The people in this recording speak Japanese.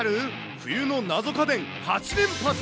冬の謎家電８連発。